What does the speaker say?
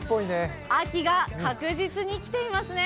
秋が確実に来ていますね。